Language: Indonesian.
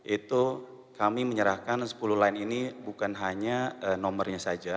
itu kami menyerahkan sepuluh line ini bukan hanya nomornya saja